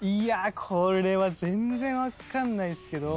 これは全然分かんない。